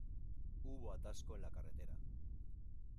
Hubo atasco en la carretera.